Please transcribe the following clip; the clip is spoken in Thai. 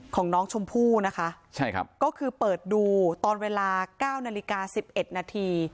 ของน้องชมพู่นะคะใช่ครับก็คือเปิดดูตอนเวลาเก้านาฬิกาสิบเอ็ดนาที